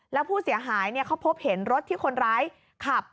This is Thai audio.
แล้วผู้เสียหายเขาพบเห็นรถที่คนร้ายขับ